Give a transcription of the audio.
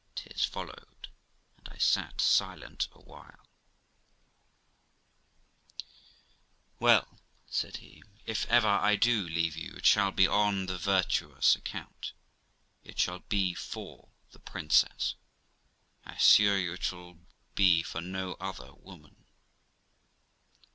Tears followed, and I sat silent a while. 'Well', said he, 'if ever I do leave you, it shall be on the virtuous account; it shall be for the princess; I assure you it shall be for no other woman.'